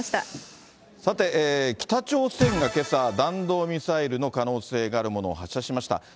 さて、北朝鮮がけさ、弾道ミサイルの可能性があるものを発射しました。